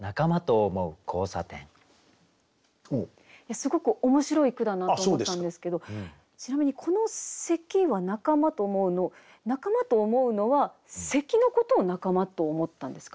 すごく面白い句だなと思ったんですけどちなみに「この咳は仲間と思ふ」の「仲間と思ふ」のは咳のことを仲間と思ったんですか？